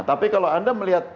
tapi kalau anda melihat